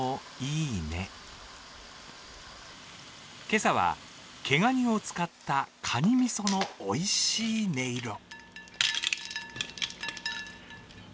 今朝は毛がにを使ったかにみそのおいしい音色。